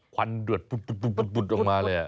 ควันดวดออกมาเลยอะ